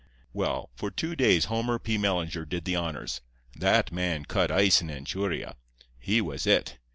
"Well, for two days Homer P. Mellinger did the honors. That man cut ice in Anchuria. He was It.